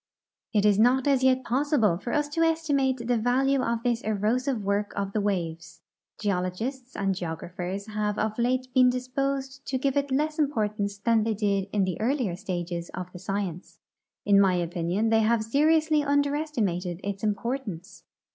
It is not as yet possible for us to estimate the A'alue of this erosive Avork of the Avaves. Geologists and geographers have of late been disposed to give it less importance than they did in the earlier stages of the science. In my opinion they have seri ously underestimated its importance.